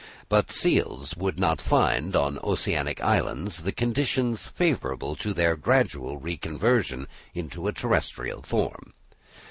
But seals would not find on oceanic islands the conditions favourable to their gradual reconversion into a terrestrial form.